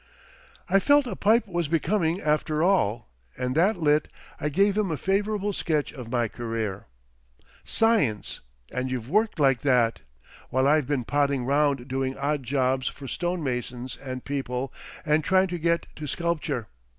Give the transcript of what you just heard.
I felt a pipe was becoming after all, and that lit, I gave him a favourable sketch of my career. "Science! And you've worked like that! While I've been potting round doing odd jobs for stone masons and people, and trying to get to sculpture.